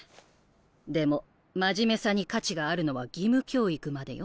でも真面目さに価値があるのは義務教育までよ。